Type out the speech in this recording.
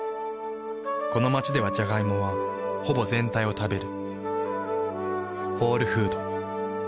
この街ではジャガイモはほぼ全体を食べる。